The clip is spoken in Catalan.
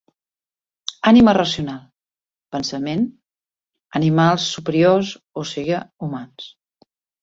Ànima racional: pensament; animals superiors, o siga, humans.